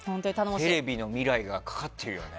テレビの未来がかかってるよね。